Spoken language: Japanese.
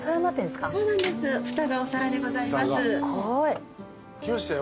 すごい。来ましたよ。